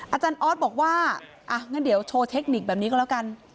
อาจารย์ออสบอกว่าอ่ะงั้นเดี๋ยวโชว์เทคนิคแบบนี้ก็แล้วกัน